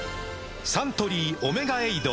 サントリー「オメガエイド」